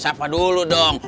sapa dulu dong